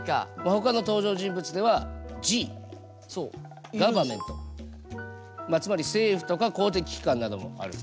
ほかの登場人物ではＧガバメントつまり政府とか公的機関などもある。